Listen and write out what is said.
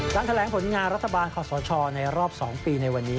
แถลงผลงานรัฐบาลคอสชในรอบ๒ปีในวันนี้